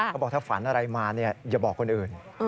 ก็บอกถ้าฝันอะไรมาเนี่ยอย่าบอกคนอื่น